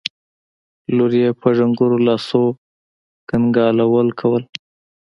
لور يې په ډنګرو لاسو کنګالول کول.